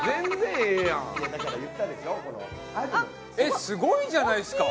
えっすごいじゃないっすか！